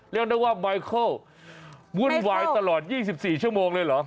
เรียกได้ว่าไมเคิลวุ่นวายตลอด๒๔ชั่วโมงเลยเหรอ